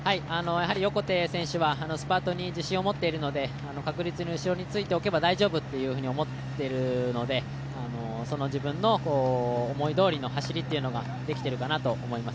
横手選手はスパートに自信を持っているので確実に後ろについていれば大丈夫と思っているので、その自分の思いどおりの走りができているかなと思います。